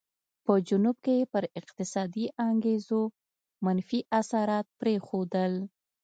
په جنوب کې یې پر اقتصادي انګېزو منفي اثرات پرېښودل.